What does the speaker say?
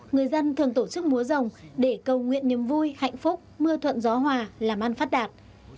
người dân thường tổ chức múa rồng để cầu nguyện niềm vui hạnh phúc mưa thuận gió hòa làm ăn phát đạt